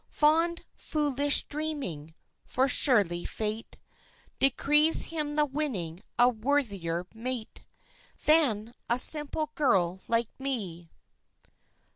Fond, foolish, dreaming! for surely Fate Decrees him the winning a worthier mate Than a simple girl like me!